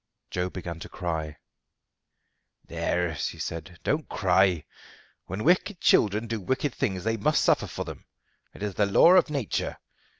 Joe began to cry. "There," she said, "don't cry. When wicked children do wicked things they must suffer for them. It is the law of nature.